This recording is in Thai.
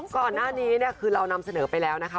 ก่อนหน้านี้เนี่ยคือเรานำเสนอไปแล้วนะคะ